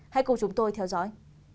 hãy cùng chúng tôi theo dõi